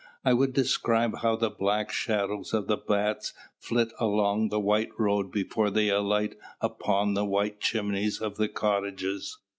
I would describe how the black shadows of the bats flit along the white road before they alight upon the white chimneys of the cottages.